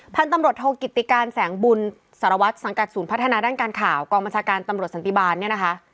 พันธุ์ตำรวจโทกิติการแสงบุญสารวัตรสังกัดศูนย์พัฒนาด้านการข่าวกองบัญชาการตำรวจสันติบาลเนี่ยนะคะ